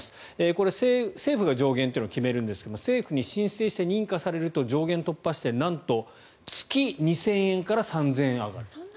これは政府が上限を決めるんですが政府に申請して認可されると上限突破してなんと月２０００円から３０００円上がると。